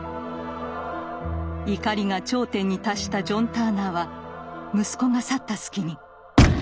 怒りが頂点に達したジョン・ターナーは息子が去った隙に。